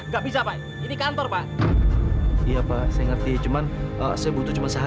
kalau tidak sayang di depan atasan saya